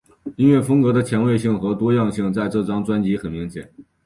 音乐风格的前卫性和多样性在这张专辑很明显。